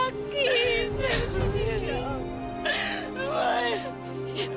bapak dewi tuh sayang banget sama bibi